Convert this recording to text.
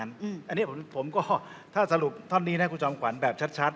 อันนี้ผมก็ถ้าสรุปท่อนนี้นะคุณจอมขวัญแบบชัด